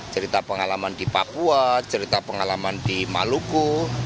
cerita pengalaman di papua cerita pengalaman di maluku